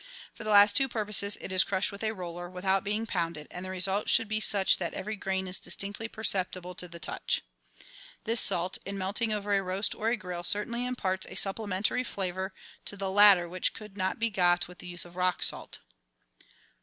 For the last two purposes it is crushed with a roller, without being pounded, and the result should be such that every grain is distinctly perceptible to the touch. This salt, in melting over a roast or a grill, certainly imparts a supplementary flavour to the latter which could not be got with the use of rock salt.